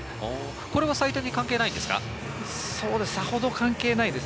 これは採点には関係ないですか？